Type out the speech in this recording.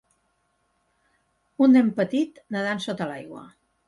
Un nen petit nedant sota l'aigua